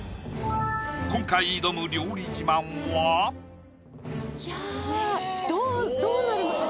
今回挑む料理自慢はいやどうなるのか